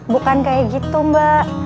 bukan kayak gitu mbak